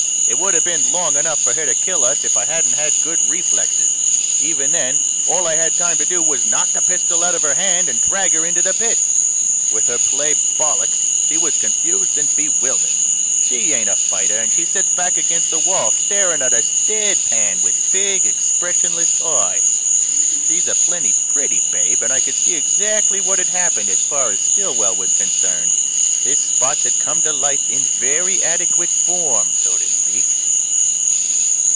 It would have been long enough for her to kill us if I hadn't had good reflexes. Even then, all I had time to do was knock the pistol out of her hand and drag her into the pit. With her play bollixed, she was confused and bewildered. She ain't a fighter, and she sits back against the wall staring at us dead pan with big expressionless eyes. She's a plenty pretty babe and I could see exactly what had happened as far as Stillwell was concerned. His spots had come to life in very adequate form so to speak.